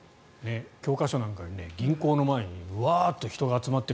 教科書なんかに銀行の前にわーっと人が集まっている。